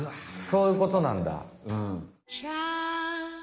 そういうことなんだうん。